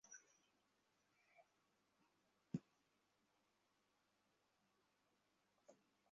অপেক্ষা করতে বললাম।